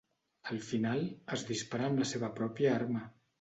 Al final, es dispara amb la seva pròpia arma.